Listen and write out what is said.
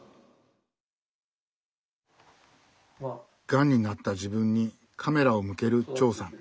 がんになった自分にカメラを向ける長さん。